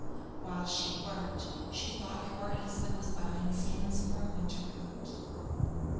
While she worked she thought how her husband was buying skins for a winter coat.